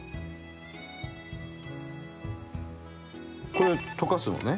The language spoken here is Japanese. これ溶かすのね？